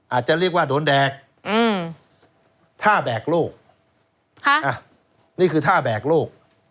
อาจจะเรียกว่าโดนแบกท่าแบกโลกนี่คือท่าแบกโลก